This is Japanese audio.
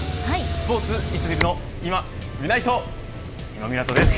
スポーツいつ見るのいま、みないと今湊です。